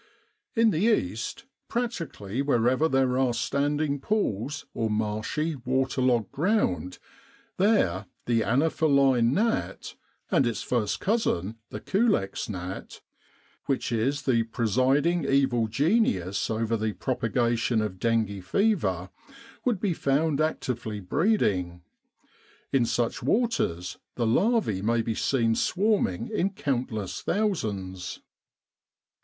In the East, practically wherever there are standing pools, or marshy, waterlogged ground, there the anopheline gnat, and its first cousin the culex gnat, which is the presiding evil genius over the propagation of dengue fever, would be found actively breeding. In such waters the larvae may be seen swarming in countless thousands.